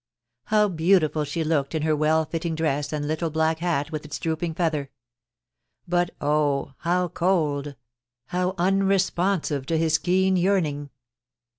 How beautiful she looked in her well fitting dress and little black hat with its drooping feather ; but oh ! how cold — how unresponsive to his keen yearning